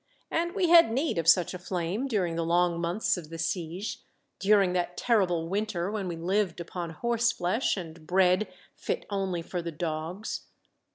And we had need of such a flame, during the long months of the siege, during that terrible win ter when we lived upon horse flesh and bread fit only for the dogs.